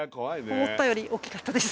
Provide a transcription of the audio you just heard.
思ったより大きかったです。